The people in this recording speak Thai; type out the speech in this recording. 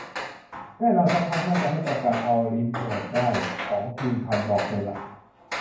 แน่นอน ซักพักน่าจะให้ประกาศออลรีโมทได้ ของทีมทันบอกไปละ